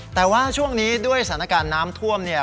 แต่ว่าช่วงนี้ด้วยสถานการณ์น้ำท่วมเนี่ย